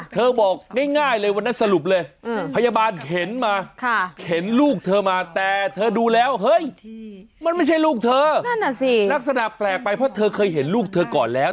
บอกง่ายเลยวันนั้นสรุปเลยพยาบาลเห็นมาเห็นลูกเธอมาแต่เธอดูแล้วเฮ้ยมันไม่ใช่ลูกเธอนั่นน่ะสิลักษณะแปลกไปเพราะเธอเคยเห็นลูกเธอก่อนแล้ว